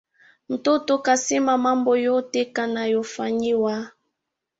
Ntoto kansema mambo yote kanayofanyiwa